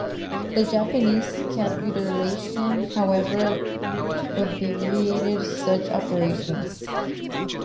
The Japanese capitulation, however, obviated such operations.